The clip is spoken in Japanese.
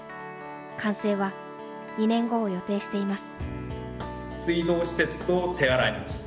完成は２年後を予定しています。